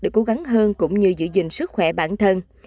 để cố gắng hơn cũng như giữ gìn sức khỏe bản thân